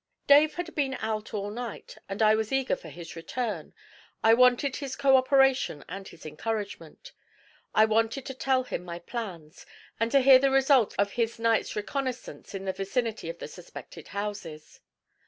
Dave had been out all night, and I was eager for his return. I wanted his co operation and his encouragement. I wanted to tell him my plans and to hear the result of his night's reconnaissance in the vicinity of the suspected houses.